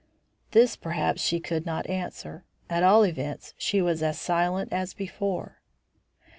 This, perhaps, she could not answer. At all events she was as silent as before.